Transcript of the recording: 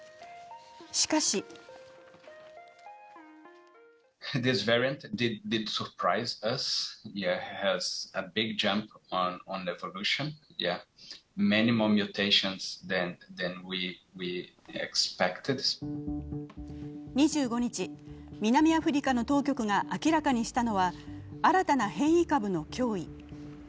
しかし２５日、南アフリカの当局が明らかにしたのは新たな変異株の脅威。